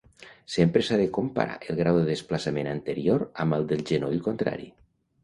Sempre s'ha de comparar el grau de desplaçament anterior amb el del genoll contrari.